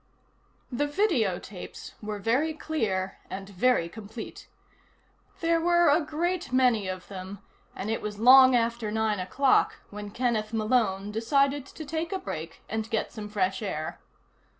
The video tapes were very clear and very complete. There were a great many of them, and it was long after nine o'clock when Kenneth Malone decided to take a break and get some fresh air.